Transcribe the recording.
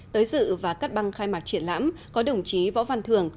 tới dự và cắt băng khai mạc triển lãm có đồng chí võ văn thường